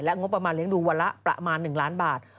งบประมาณเลี้ยงดูวันละประมาณ๑ล้านบาท